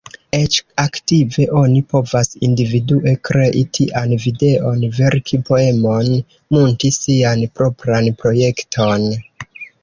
Eĉ aktive, oni povas individue krei tian videon, verki poemon, munti sian propran projekton.